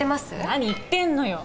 何言ってんのよ！